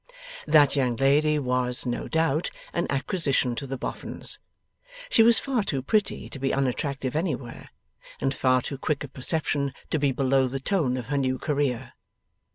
That young lady was, no doubt, an acquisition to the Boffins. She was far too pretty to be unattractive anywhere, and far too quick of perception to be below the tone of her new career.